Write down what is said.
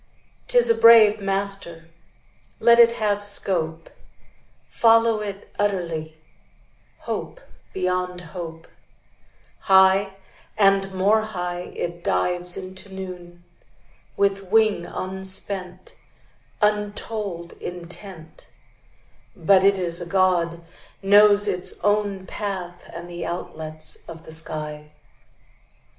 'Tis a brave master; Let it have scope: Follow it utterly, Hope beyond hope: High and more high It dives into noon, With wing unspent, Untold intent; But it is a God, Knows its own path And the outlets of the sky.